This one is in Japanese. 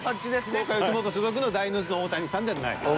福岡よしもと所属のダイノジの大谷さんではないです。